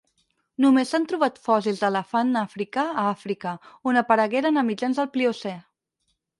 Només s'han trobat fòssils d'elefant africà a Àfrica, on aparegueren a mitjans del Pliocè.